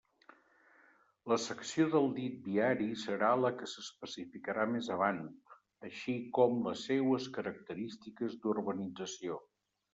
La secció del dit viari serà la que s'especificarà més avant, així com les seues característiques d'urbanització.